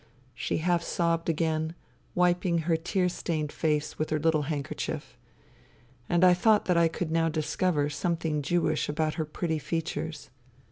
..." She half sobbed again, wiping her tear stained face with her little hand kerchief. And I thought that I could now discover something Jewish about her pretty features.